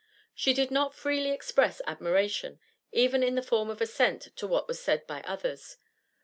She did not freely express admiration, even in the form of assent to what was said by others.